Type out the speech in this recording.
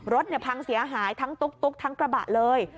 รถพังเสียหายทั้งตุ๊กทั้งกระบะเลย